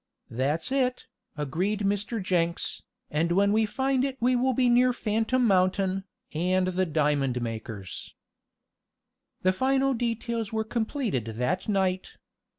"That's it," agreed Mr. Jenks, "and when we find it we will be near Phantom Mountain, and the diamond makers." The final details were completed that night.